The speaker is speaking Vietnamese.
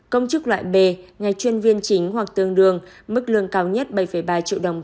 công chức loại b ngày chuyên viên chính hoặc tương đương mức lương cao nhất bảy ba triệu đồng